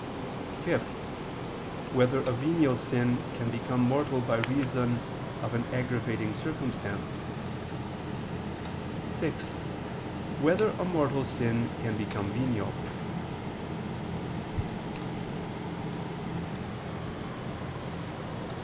(5) Whether a venial sin can become mortal by reason of an aggravating circumstance? (6) Whether a mortal sin can become venial?